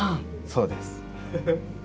そうです。